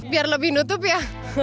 biar lebih nutup ya